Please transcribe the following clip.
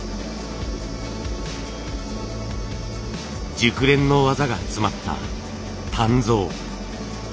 熟練の技が詰まった鍛造。